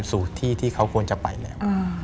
สูตรที่ที่เขาควรจะไปแล้ว